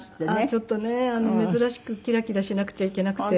ちょっとね珍しくキラキラしなくちゃいけなくて。